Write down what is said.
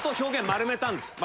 丸めたんです。